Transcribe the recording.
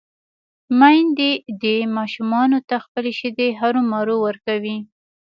ميندې دې ماشومانو ته خپلې شېدې هرومرو ورکوي